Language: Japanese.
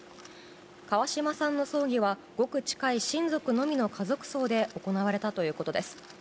川嶋さんの葬儀はごく近い親族のみの家族葬で行われたということです。